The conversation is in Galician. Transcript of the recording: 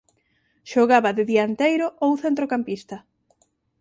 Xogaba de dianteiro ou centrocampista.